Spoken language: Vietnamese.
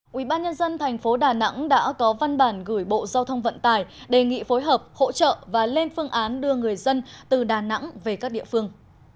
quỹ ban nhân dân thành phố đà nẵng đã có văn bản gửi bộ giao thông vận tải đề nghị phối hợp hỗ trợ và lên phương án đưa người dân từ đà nẵng về các địa phương